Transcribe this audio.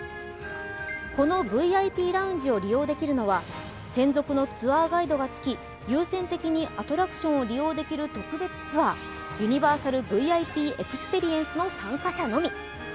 このＶＩＰラウンジを利用できるのは専属のツアーガイドがつき優先的にアトラクションを利用できる特別ツアー、ユニバーサルＶＩＰエクスペリエンスの参加者のみ。